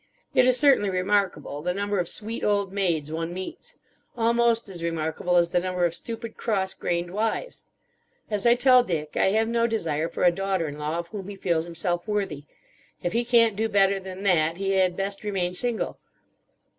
It is certainly remarkable, the number of sweet old maids one meets. Almost as remarkable as the number of stupid, cross grained wives. As I tell Dick, I have no desire for a daughter in law of whom he feels himself worthy. If he can't do better than that he had best remain single.